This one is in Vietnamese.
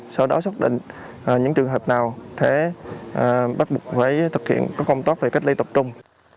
sau đó xác định những trường hợp nào thể bắt buộc phải thực hiện các công tác về cách lây tập trung